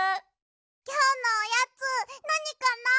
・きょうのおやつなにかな。